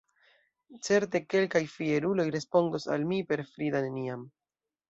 Certe kelkaj fieruloj respondos al mi per frida “neniam”.